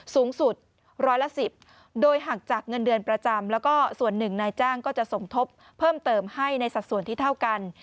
สูงสุดร้อยละ๑๐โดยหักจากเงินเดือนประจำแล้วก็ส่วนหนึ่งนายจ้างก็จะสมทบเพิ่มเติมให้ในสัดส่วนที่เท่ากัน